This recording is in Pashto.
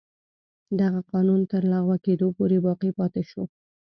دغه قانون تر لغوه کېدو پورې باقي پاتې شو.